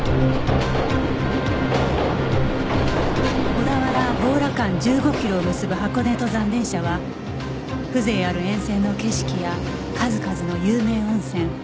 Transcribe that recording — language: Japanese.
小田原強羅間１５キロを結ぶ箱根登山電車は風情ある沿線の景色や数々の有名温泉